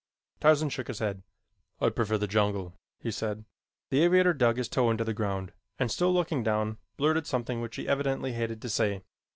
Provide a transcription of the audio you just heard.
Tarzan shook his head. "I prefer the jungle," he said. The aviator dug his toe into the ground and still looking down, blurted something which he evidently hated to say.